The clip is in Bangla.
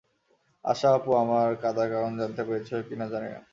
আশা আপু আমার কাঁদার কারণ জানতে পেরেছিল কিনা আমি জানি না।